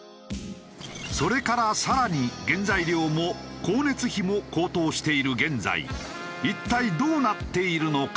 それから更に原材料も光熱費も高騰している現在一体どうなっているのか？